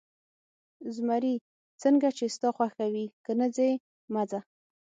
زمري: څنګه چې ستا خوښه وي، که نه ځې، مه ځه.